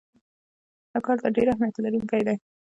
دا کار د ډیر اهمیت لرونکی دی.